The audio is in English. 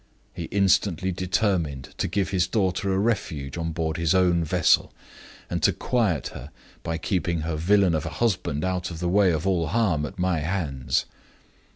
He instantly determined to give his daughter a refuge on board his own vessel, and to quiet her by keeping her villain of a husband out of the way of all harm at my hands.